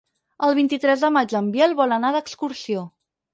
El vint-i-tres de maig en Biel vol anar d'excursió.